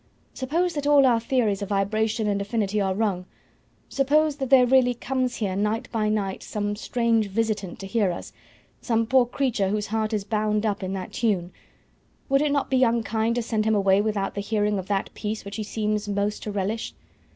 Suppose that all our theories of vibration and affinity are wrong, suppose that there really comes here night by night some strange visitant to hear us, some poor creature whose heart is bound up in that tune; would it not be unkind to send him away without the hearing of that piece which he seems most to relish?